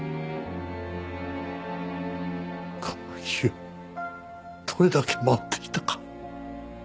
この日をどれだけ待っていたか。